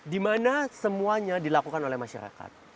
dimana semuanya dilakukan oleh masyarakat